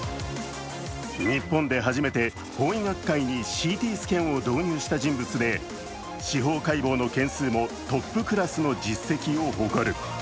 日本で初めて法医学界にＣＴスキャンを導入した人物で司法解剖の件数もトップクラスの実績を誇る。